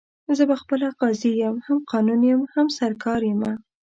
زه خپله قاضي یم، هم قانون یم، هم سرکار یمه